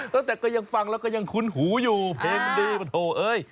ตั้งแต่ก็ยังฟังแล้วก็ยังคุ้นหูอยู่เพลงมันดีมันโถเอ้ย